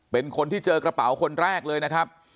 เป็นคนที่เจอกระเป๋าคนแรกเลยนะครับ